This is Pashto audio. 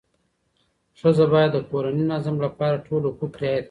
ښځه باید د کورني نظم لپاره ټول حقوق رعایت کړي.